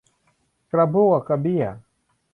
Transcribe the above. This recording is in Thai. กระบั้วกระเบี้ย